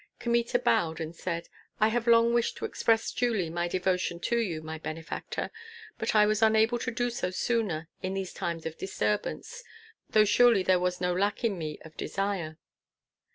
Kmita bowed and said, "I have long wished to express duly my devotion to you, my benefactor; but I was unable to do so sooner in these times of disturbance, though surely there was no lack in me of desire."